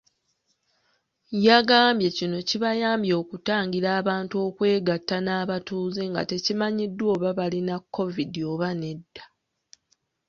Yagambye kino kibayambye okutangira abantu okwegatta n'abatuuze nga tekimanyiddwa oba balina Kovidi oba nedda.